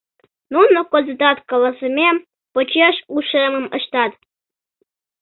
Нуно кызытат каласымем почеш ушемым ыштат.